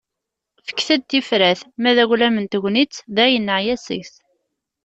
Fket-d tifrat... ma d aglam n tegnit, dayen neɛya seg-s.